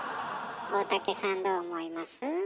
大竹さんどう思います？